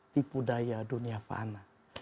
di budaya dunia apaan